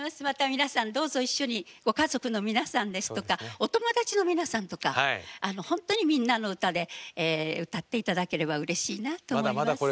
また皆さんどうぞ一緒にご家族の皆さんですとかお友達の皆さんとかほんとに「みんなのうた」で歌って頂ければうれしいなと思います。